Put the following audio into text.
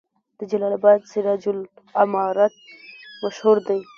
د جلال اباد سراج العمارت مشهور دی